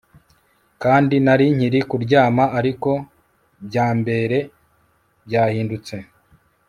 Kandi nari nkiri kuryama ariko byambere byahindutse